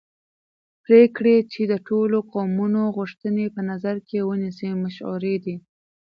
پرېکړې چې د ټولو قومونو غوښتنې په نظر کې ونیسي مشروعې دي